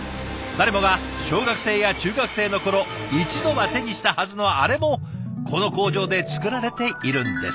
誰もが小学生や中学生の頃一度は手にしたはずのあれもこの工場で作られているんです。